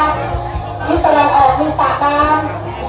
นี่ตลาดออกที่สระตาม